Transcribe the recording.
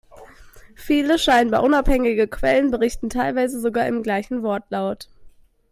Viele scheinbar unabhängige Quellen, berichten teilweise sogar im gleichen Wortlaut.